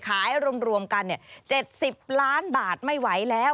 รวมกัน๗๐ล้านบาทไม่ไหวแล้ว